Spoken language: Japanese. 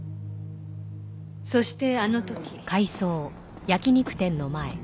そしてあの時。